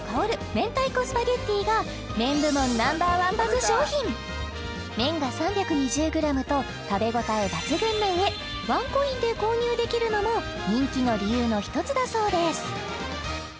明太子スパゲティが麺部門Ｎｏ．１バズ商品麺が３２０ｇと食べ応え抜群でワンコインで購入できるのも人気の理由の一つだそうです